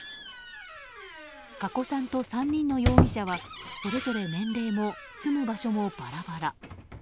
加古さんと３人の容疑者はそれぞれ年齢も住む場所もバラバラ。